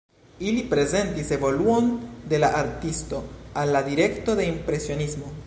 Ili prezentis evoluon de la artisto al la direkto de impresionismo.